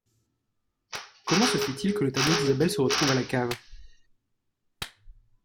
Comment ce fait-il que le tableau d’Isabelle se retrouve à la cave ?